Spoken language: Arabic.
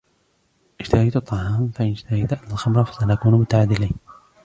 اشتريتَ الطعام ، فإن اشتريتُ أنا الخمرة فسنكون متعادلين.